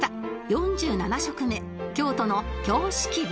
４７食目京都の京式部